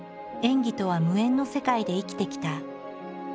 演技とは無縁の世界で生きてきた。